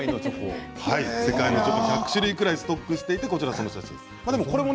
世界のチョコを１００種類くらいストックしているその写真ですね。